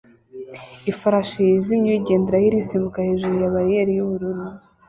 Ifarashi yijimye uyigenderaho irisimbuka hejuru ya bariyeri yubururu